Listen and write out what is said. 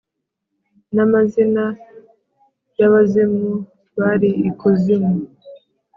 n’amazina y’abazimu bari ikuzimu